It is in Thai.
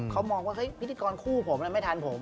เขามองว่าเฮ้ยพิธีกรคู่ผมไม่ทันผม